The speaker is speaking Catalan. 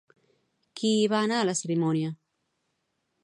Qui hi va anar a la cerimònia?